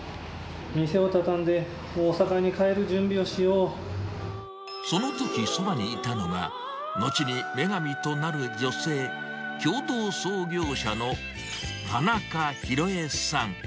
店を畳んで、そのときそばにいたのが、後に女神となる女性、共同創業者の田中洋江さん。